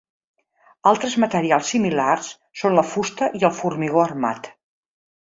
Altres materials similars són la fusta i el formigó armat.